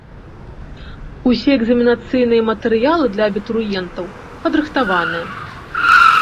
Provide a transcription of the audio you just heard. Усе экзаменацыйныя матэрыялы для абітурыентаў падрыхтаваныя.